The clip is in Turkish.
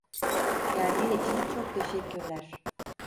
Geldiğin için çok teşekkürler.